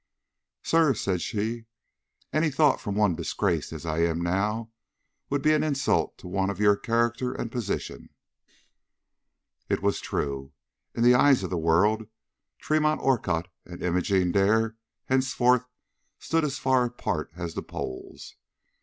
"Sir," said she, "any thought from one disgraced as I am now, would be an insult to one of your character and position." It was true. In the eyes of the world Tremont Orcutt and Imogene Dare henceforth stood as far apart as the poles.